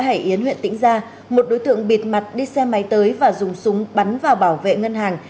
tại khu tái định cướp một đối tượng bịt mặt đi xe máy tới và dùng súng bắn vào bảo vệ ngân hàng